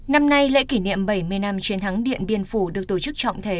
năm nay lễ kỷ niệm bảy mươi năm chiến thắng điện biên phủ được tổ chức trọng thể